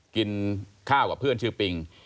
กินข้าวกับเพื่อนชื่อปิง